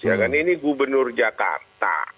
ya kan ini gubernur jakarta